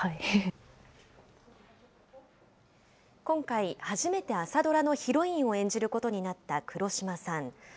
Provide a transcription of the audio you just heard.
今回、初めて朝ドラのヒロインを演じることになった黒島さん。